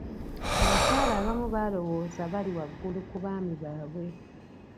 Abakyala abamu baalowooza bali waggulu ku baami baabwe.